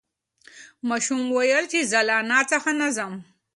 ماشوم وویل چې زه له انا څخه نه ځم.